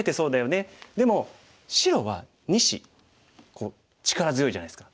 でも白は２子こう力強いじゃないですか。